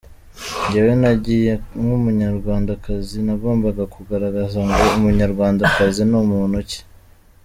Njyewe nagiye nk’Umunyarwandakazi, nagombaga kugaragaza ngo umunyarwandakazi ni muntu ki.